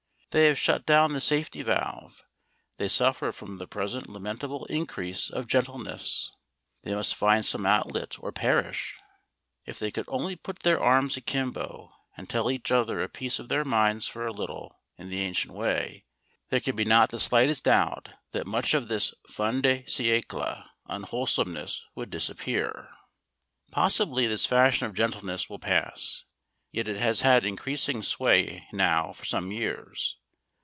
They have shut down the safety valve, they suffer from the present lamentable increase of gentleness. They must find some outlet, or perish. If they could only put their arms akimbo and tell each other a piece of their minds for a little, in the ancient way, there can be not the slightest doubt that much of this fin de siècle unwholesomeness would disappear. Possibly this fashion of gentleness will pass. Yet it has had increasing sway now for some years.